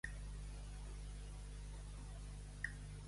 A qui va encoratjar Hipodamia que assassinessin?